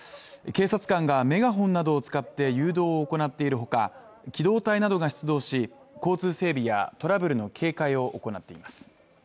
警察官がメガホンなどを使って誘導を行っているほか機動隊などが出動し交通整備やトラブルの警戒を行っています